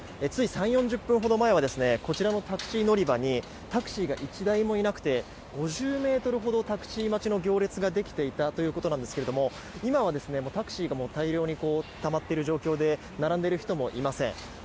つい３０４０分ほど前はタクシー乗り場にタクシーが１台もいなくて５０ｍほどタクシー待ちの行列ができていたということですが今はタクシーが大量にたまっている状況で並んでいる人もいません。